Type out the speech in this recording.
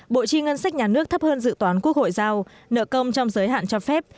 bộ chi ngân sách nhà nước thấp hơn dự toán quốc hội giao nợ công trong giới hạn cho phép